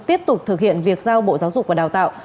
tiếp tục thực hiện việc giao bộ giáo dục và đào tạo